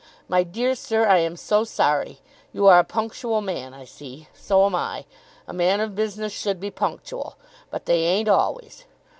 "My dear sir, I am so sorry. You are a punctual man I see. So am I. A man of business should be punctual. But they ain't always.